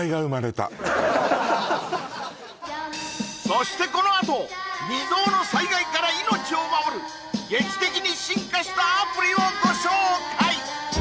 そしてこのあと未曽有の災害から命を守る劇的に進化したアプリをご紹介